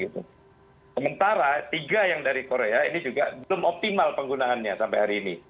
sementara tiga yang dari korea ini juga belum optimal penggunaannya sampai hari ini